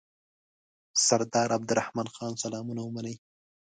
سردار عبدالرحمن خان سلامونه ومنئ.